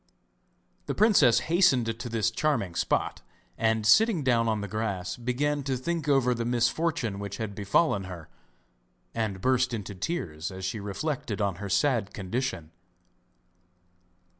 The princess hastened to this charming spot, and sitting down on the grass began to think over the misfortune which had befallen her, and burst into tears as she reflected on her sad condition.